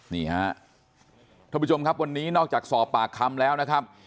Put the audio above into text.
ท่านผู้ชมครับวันนี้นอกจากสอบปากคำแล้วนะครับ